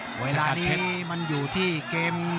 สกัดเพ็ดเวลานี้มันอยู่ที่เกม